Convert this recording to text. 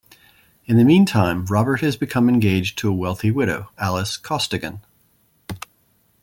In the meantime, Robert has become engaged to a wealthy widow, Alice Costigan.